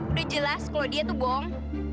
udah jelas kalau dia tuh bohong